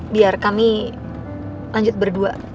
biar kami lanjut berdua